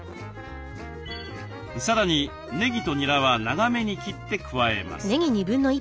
さらにねぎとにらは長めに切って加えます。